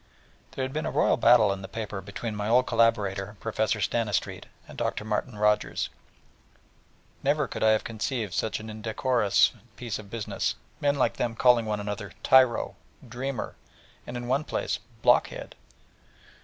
There had been a battle royal in the paper between my old collaborator Professor Stanistreet and Dr. Martin Rogers, and never could I have conceived such an indecorous piece of business, men like them calling one another 'tyro,' 'dreamer,' and in one place 'block head.'